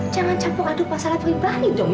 jangan campur adu pasal pribadi dong